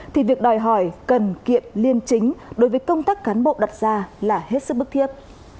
thì việc đòi hỏi cần kiệm liêm chính đối với công tác cán bộ đặt ra là hết sức bức thiết